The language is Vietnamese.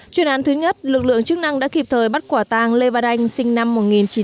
chuyên án thứ nhất lực lượng chức năng đã kịp thời bắt quả tàng lê văn anh sinh năm một nghìn chín trăm tám mươi